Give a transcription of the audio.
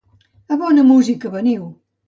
Amb bona música veniu!